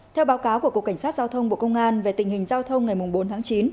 theo báo cáo của cục cảnh sát giao thông bộ công an về tình hình giao thông ngày bốn tháng chín